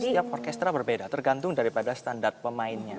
setiap orkestra berbeda tergantung daripada standar pemainnya